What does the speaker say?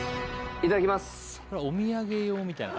いただきます。